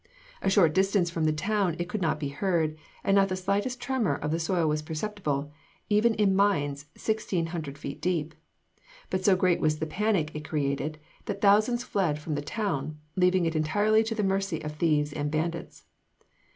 A short distance from the town it could not be heard; and not the slightest tremor of the soil was perceptible, even in mines sixteen hundred feet deep. But so great was the panic it created, that thousands fled from the town, leaving it entirely to the mercy of thieves and bandits.